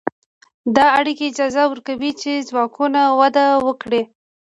دا اړیکې اجازه ورکوي چې ځواکونه وده وکړي.